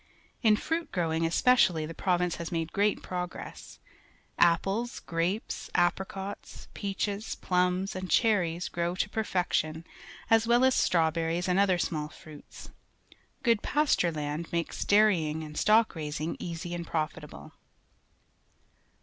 In fruit growing, especially, the province has made great progress. .A joples, g rapes, a pricots, peaches, plums, and chenies grow to per fection, as well as strawberries and other small fruits. Good pasture land makes dairy ing and sto ck raising easy and profitable.